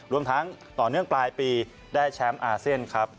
รวมทั้งต่อเนื่องปลายปีได้แชมป์อาเซียนครับ